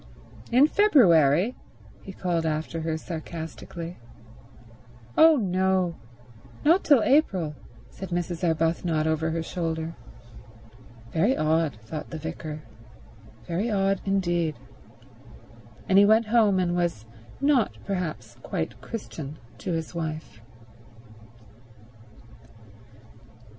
"In February?" he called after her sarcastically. "Oh no—not till April," said Mrs. Arbuthnot over her shoulder. "Very odd," thought the vicar. "Very odd indeed." And he went home and was not perhaps quite Christian to his wife.